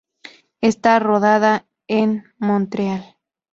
Está rodada en Montreal.